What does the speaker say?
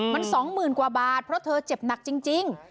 มัน๒๐๐๐กว่าบาทเพราะเธอเจ็บหนักจริง